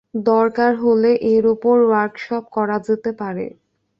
দরকার হলে এর ওপর ওয়ার্কশপ করা যেতে পারে।